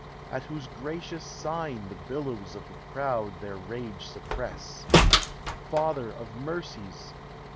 at whose gracious sign The billows of the proud their rage suppress; Father of mercies!